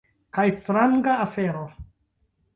Kaj stranga afero.